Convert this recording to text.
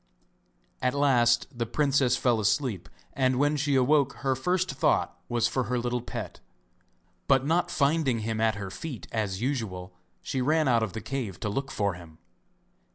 At last the princess fell asleep, and when she awoke her first thought was for her little pet, but not finding him at her feet as usual, she ran out of the cave to look for him.